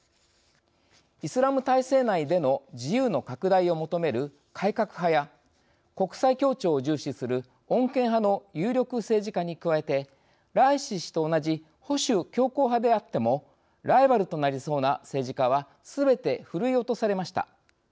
イスラム体制内での自由の拡大を求める改革派や国際協調を重視する穏健派の有力政治家に加えてライシ師と同じ保守強硬派であってもライバルとなりそうな政治家はすべてふるい落とされました。